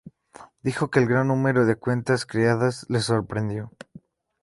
Dijo que el gran número de cuentas creadas le sorprendió.